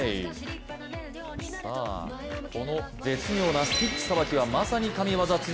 この絶妙なスティックさばきはまさに神業。